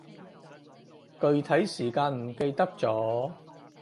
具體時間唔記得咗